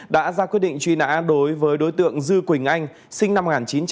đã ra quyết định truy nã đối với đối tượng dư quỳnh anh sinh năm một nghìn chín trăm tám mươi